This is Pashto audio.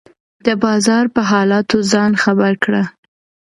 د بازار په حالاتو ځان خبر کړه.